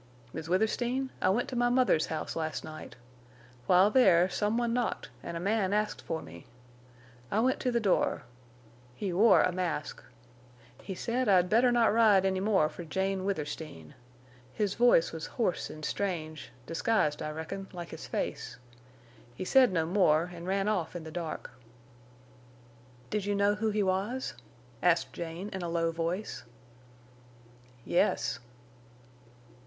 "Miss Withersteen, I went to my mother's house last night. While there, some one knocked, an' a man asked for me. I went to the door. He wore a mask. He said I'd better not ride any more for Jane Withersteen. His voice was hoarse an' strange, disguised I reckon, like his face. He said no more, an' ran off in the dark." "Did you know who he was?" asked Jane, in a low voice. "Yes."